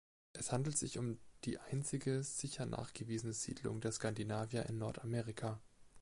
Es handelt sich um die einzige sicher nachgewiesene Siedlung der Skandinavier in Nordamerika.